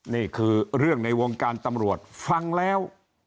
นี่คือเรื่องในวงการตำรวจฟังแล้ว